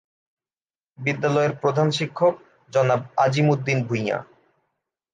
বিদ্যালয়ের প্রধান শিক্ষক জনাব আজিম উদ্দীন ভূঁইয়া।